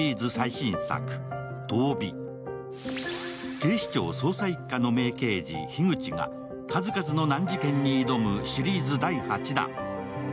警視庁捜査一課の名刑事、樋口が数々の難事件に挑むシリーズ第８弾。